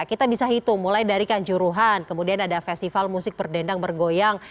kita bisa hitung mulai dari kanjuruhan kemudian ada festival musik berdendang bergoyang